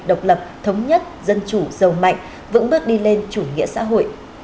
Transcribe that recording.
độc lập thống nhất dân chủ giàu mạnh vững bước đi lên chủ nghĩa xã hội